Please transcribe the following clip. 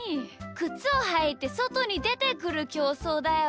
くつをはいてそとにでてくるきょうそうだよ。